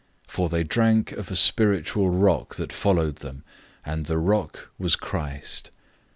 For they drank of a spiritual rock that followed them, and the rock was Christ.